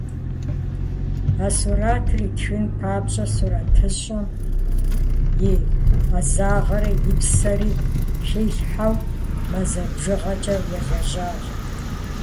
А сурэтыр итхын папщӀэ, сурэтыщӀым и Ӏэзагъэри и псэри хилъхьэу, мазэ бжыгъэкӏэ елэжьащ.